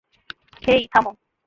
হেই, থামো!